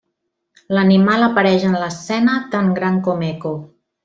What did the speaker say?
L'animal apareix en l'escena tan gran com Eco.